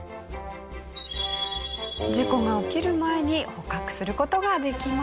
事故が起きる前に捕獲する事ができました。